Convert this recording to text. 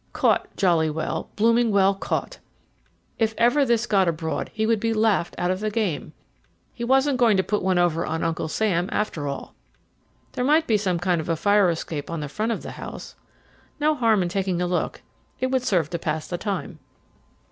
Caught, jolly well, blooming well caught! If ever this got abroad he would be laughed out of the game. He wasn't going to put one over on Uncle Sam after all. There might be some kind of a fire escape on the front of the house. No harm in taking a look; it would serve to pass the time.